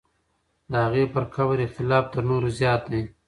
د هغې پر قبر اختلاف تر نورو زیات دی.